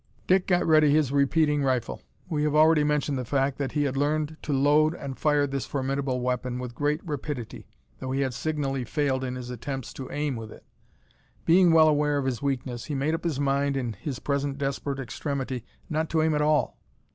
Dick got ready his repeating rifle. We have already mentioned the fact that he had learned to load and fire this formidable weapon with great rapidity, though he had signally failed in his attempts to aim with it. Being well aware of his weakness, he made up his mind in his present desperate extremity not to aim at all!